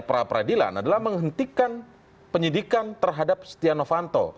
pra pra dilan adalah menghentikan penyidikan terhadap setia novanto